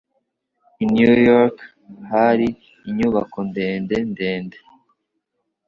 I New York hari inyubako ndende ndende.